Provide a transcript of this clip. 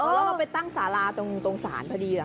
แล้วเราไปตั้งสาราตรงสารพอดี